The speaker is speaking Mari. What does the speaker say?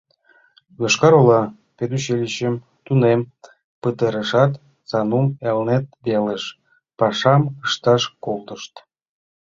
Йошкар-Ола педучилищым тунем пытарышат, Санум Элнет велыш пашам ышташ колтышт.